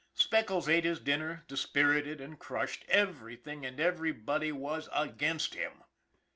Speckles ate his dinner, dispirited and crushed. Everything and everybody was against him.